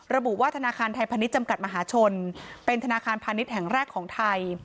ระบุว่าธนาคารไทยพาณิชย์จำกัดมหาชนเป็นธนาคารพาณิชย์แห่งแรกของไทย